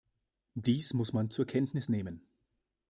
Dies muss man zur Kenntnis nehmen.